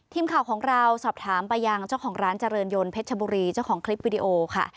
ทีมข่าวของเราสอบถามไปยังเจ้าของร้านเจริญยนเพชรชบุรีเจ้าของคลิปวิดีโอค่ะ